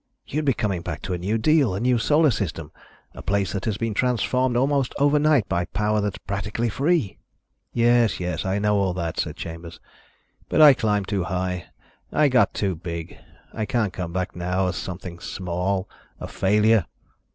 You'd be coming back to a new deal, a new Solar System, a place that has been transformed almost overnight by power that's practically free." "Yes, yes, I know all that," said Chambers. "But I climbed too high. I got too big. I can't come back now as something small, a failure."